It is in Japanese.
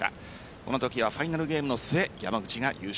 このときはファイナルゲームの末山口が優勝。